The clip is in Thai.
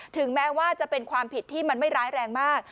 ถึงแม้ว่าจะเป็นความผิดที่มันไม่ร้ายแรงมาก